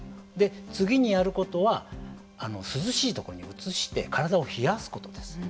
次にやることは涼しいところに移して体を冷やすことです。